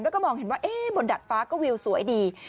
แล้วก็มองเห็นว่าบนดัดฟ้าก็วิวสวยดี